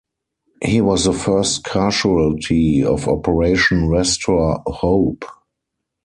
He was the first casualty of Operation Restore Hope.